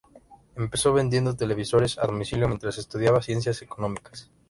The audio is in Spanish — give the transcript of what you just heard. Empezó vendiendo televisores a domicilio mientras estudiaba Ciencias Económicas.